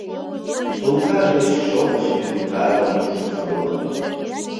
Сумкаж гыч шовыч вӱдылкажым шупшын лукто.